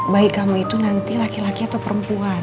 bayi kamu itu nanti laki laki atau perempuan